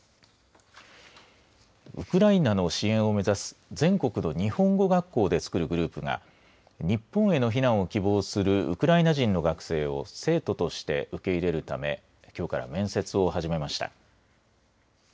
ウクライナの支援を目指す全国の日本語学校でつくるグループが日本への避難を希望するウクライナ人の学生を生徒として受け入れるためきょうから面接を始めました。